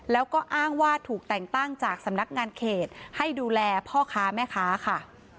แล้วก็อ้างว่าถูกแต่งตั้งจากสำนักงานเขตให้ดูแลพ่อค้าแม่ค้าค่ะ